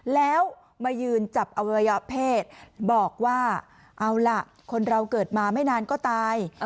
แล้วมายืนจับอวัยวะเพศบอกว่าเอาล่ะคนเราเกิดมาไม่นานก็ตาย